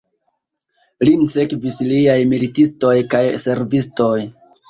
Lin sekvis liaj militistoj kaj servistoj.